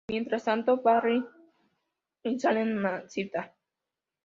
Mientras tanto, Barry y salen en una cita.